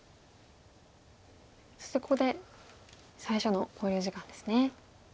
そしてここで最初の考慮時間ですね。